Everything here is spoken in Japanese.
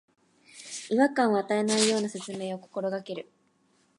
違和感を与えないような説明を心がける